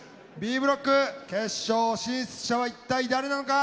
Ｂブロック決勝進出者は一体誰なのか？